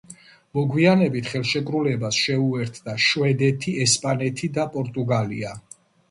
მოგვიანებით ხელშეკრულებას შეუერთდა შვედეთი, ესპანეთი და პორტუგალია.